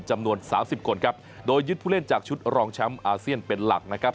จำนวนสามสิบคนครับโดยยึดผู้เล่นจากชุดรองแชมป์อาเซียนเป็นหลักนะครับ